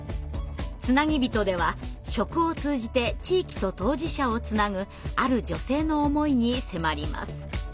「つなぎびと」では食を通じて地域と当事者をつなぐある女性の思いに迫ります。